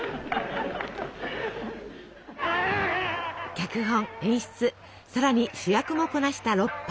脚本演出さらに主役もこなしたロッパ。